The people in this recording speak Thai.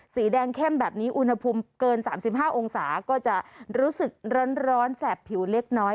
สีแดงเข้มแบบนี้อุณหภูมิเกิน๓๕องศาก็จะรู้สึกร้อนแสบผิวเล็กน้อย